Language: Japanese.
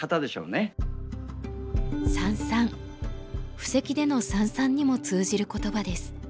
布石での「三々」にも通じる言葉です。